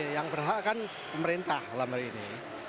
yang berhak kan pemerintah lama ini